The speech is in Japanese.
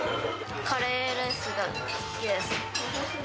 カレーライスが好きです。